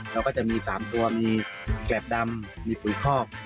เราก็จะมี๓ตัวมีแกรบดำมีปุ๋ยคอก